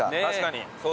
確かに。